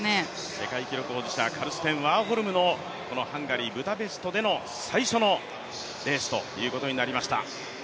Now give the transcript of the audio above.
世界記録保持者、カルステン・ワーホルムハンガリー・ブダペストでの最初のレースということになりました。